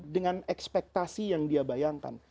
dengan ekspektasi yang dia bayangkan